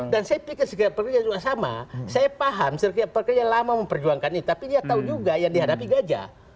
dan saya pikir sekalian pekerjaan juga sama saya paham sekalian pekerjaan lama memperjuangkan ini tapi dia tahu juga yang dihadapi gajah